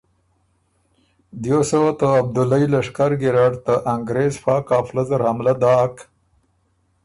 دیو سوه ته عبدُالئ لشکر ګیرډ ته انګرېز فا قافله زر حملۀ داک